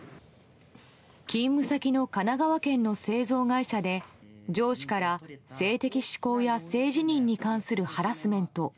勤務先の神奈川県の製造会社で上司から性的指向や性自認に関するハラスメントＳＯＧＩ